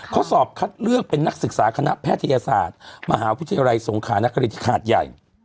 เขาสอบคัดเลือกเป็นนักศึกษาคณะแพทยศาสตร์มหาวิทยาลัยสงขานครินที่ขาดใหญ่